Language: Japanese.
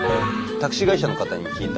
タクシー会社の方に聞いた。